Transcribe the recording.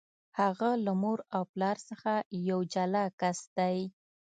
هغه له مور او پلار څخه یو جلا کس دی.